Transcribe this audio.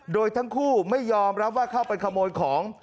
โดยทั้งคู่ไม่ยอมรับว่าเข้าไปขโมยของ